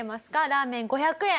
ラーメン５００円。